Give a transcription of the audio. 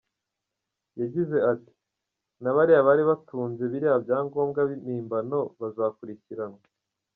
Yagize ati “Na bariya bari batunze biriya byangombwa mpimbano bazakurikiranwa.